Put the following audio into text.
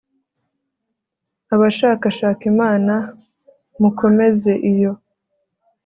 abashakashaka imana, mukomeze iyo